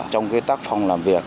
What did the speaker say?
trong cái tác phòng làm việc